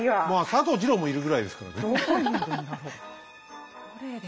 まあ佐藤二朗もいるぐらいですからね。